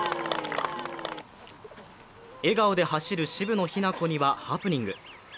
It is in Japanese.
笑顔で走る渋野日向子にはハプニング。